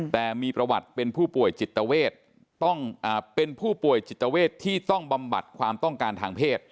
แต่มีประวัติเป็นผู้ป่วยจิตเวทที่ต้องบำบัดความต้องการทางเพศ